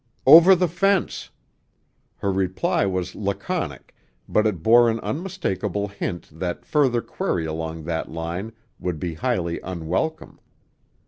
"Over the fence." Her reply was laconic, but it bore an unmistakable hint that further query along that line would be highly unwelcome.